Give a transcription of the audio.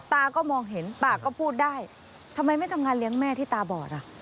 ตาก็มองเห็นปากก็พูดได้ทำไมไม่ทำงานเลี้ยงแม่ที่ตาบอดอ่ะ